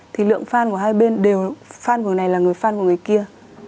thì lượng fan của hai bên đều fan của người này là người fan của người kia